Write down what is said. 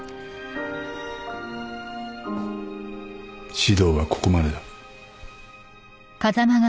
指導はここまでだ。